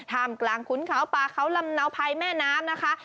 ท่ามกลางขุนเขาป่าเขาลำเนาภัยแม่น้ำนะคะ